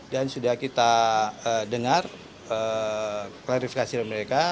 dan sudah kita dengar klarifikasi dari mereka